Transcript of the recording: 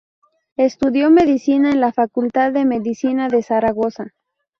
Estudió Medicina en la Facultad de Medicina de Zaragoza.